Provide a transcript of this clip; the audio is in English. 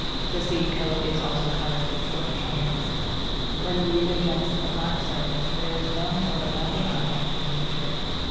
The seed coat is also covered with silk hairs. When viewed against a black surface, there is no more lovely object in nature.